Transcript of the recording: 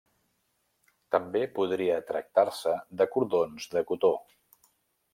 També podria tractar-se de cordons de cotó.